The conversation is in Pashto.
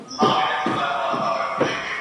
¬ چي مشر ئې غُمبر وي، اختر بې مازديگر وي.